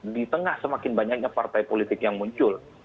di tengah semakin banyaknya partai politik yang muncul